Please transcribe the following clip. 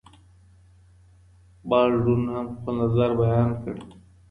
بالډون هم خپل نظر بیان کړ.